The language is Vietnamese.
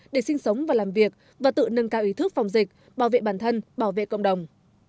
để sinh sống và làm việc và tự nâng cao ý thức phòng dịch bảo vệ bản thân bảo vệ cộng đồng